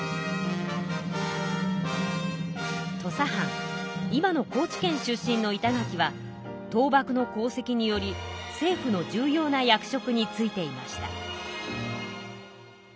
土佐藩今の高知県出身の板垣は倒幕の功績により政府の重要な役職についていました。